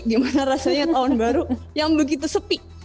gimana rasanya tahun baru yang begitu sepi